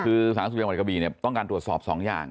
คือสารสุดยอดหวัดกระบีต้องการตรวจสอบ๒อย่าง